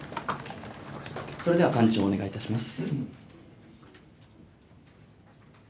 それでは幹事長お願いいたします。